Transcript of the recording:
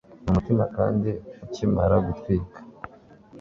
Numutima kandi ukimara gutwika